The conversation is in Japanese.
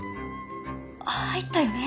あっ入ったよね？